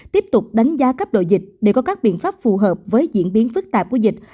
tiếp tục đánh giá cấp độ dịch để có các biện pháp phù hợp với diễn biến phức tạp của dịch